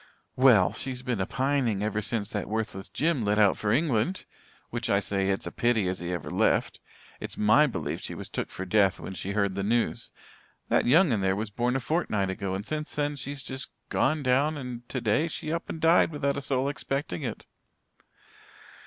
"Well, she's been a pining ever since that worthless Jim lit out for England which I say it's a pity as he ever left. It's my belief she was took for death when she heard the news. That young un there was born a fortnight ago and since then she's just gone down and today she up and died, without a soul expecting it."